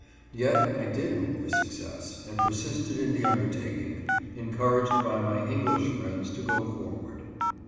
Yet I did hope for success, and persisted in the under taking, encouraged by my English friends to go forward.